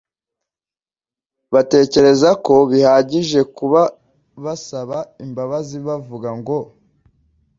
Batekereza ko bihagije kuba basaba imbabazi bavuga ngo